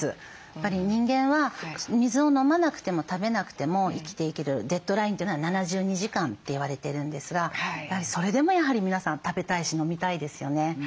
やっぱり人間は水を飲まなくても食べなくても生きていけるデッドラインというのは７２時間って言われてるんですがそれでもやはり皆さん食べたいし飲みたいですよね。